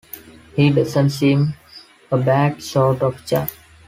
He doesn't seem a bad sort of chap.